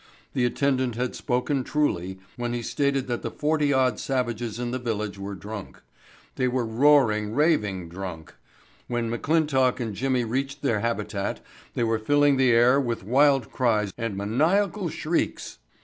The attendant had spoken truly when he stated that the forty odd savages in the village were drunk. They were roaring, raving drunk. When McClintock and Jimmy reached their habitat they were filling the air with wild cries and maniacal shrieks.